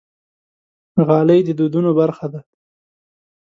غالۍ د دودونو برخه ده.